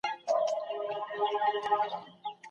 بیګا یې کلکه پرېکړه وکړه چې سهار به خامخا پلی ګرځي.